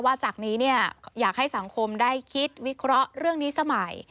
จากนี้เนี่ยอยากให้สังคมได้คิดวิเคราะห์เรื่องนี้สมัย